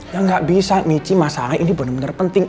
ya gak bisa michi masalahnya ini bener bener penting